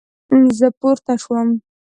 زه پورته شوم